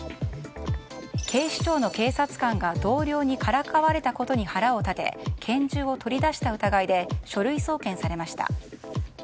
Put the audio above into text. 警視庁の警察官が同僚にからかわれたことに腹を立て拳銃を取り出した疑いで書類送検されました。